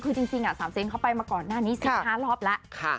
คือจริงจริงอ่ะสาวเจนเขาไปมาก่อนหน้านี้สิบห้ารอบแล้วค่ะ